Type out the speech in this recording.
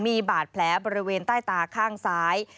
มีบาดแผลบริเวณใต้ตาข้างซ้าย